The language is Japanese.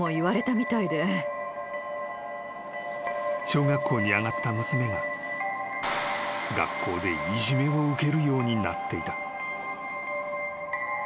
［小学校に上がった娘が学校でいじめを受けるようになっていた］